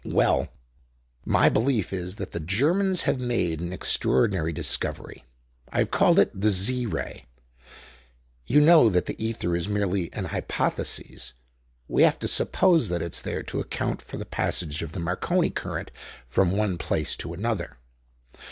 "Well; my belief is that the Germans have made an extraordinary discovery. I have called it the Z Ray. You know that the ether is merely an hypothesis; we have to suppose that it's there to account for the passage of the Marconi current from one place to another.